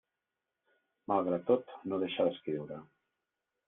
Malgrat tot no deixa d'escriure.